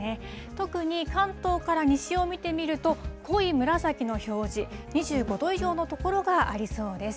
特に関東から西を見てみると、濃い紫の表示、２５度以上の所がありそうです。